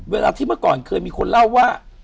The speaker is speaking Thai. เวลาที่เมื่อก่อนเคยมีคนเล่าว่า